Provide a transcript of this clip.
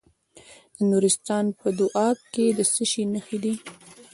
د نورستان په دو اب کې د څه شي نښې دي؟